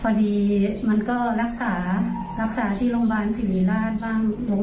พอดีมันก็รักษารักษาที่โรงพยาบาลสิริราชบ้าง